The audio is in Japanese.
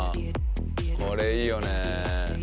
これいいよね。